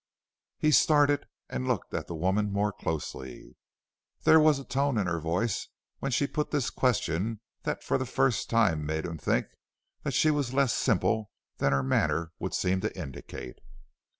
He started and looked at the woman more closely. There was a tone in her voice when she put this question that for the first time made him think that she was less simple than her manner would seem to indicate.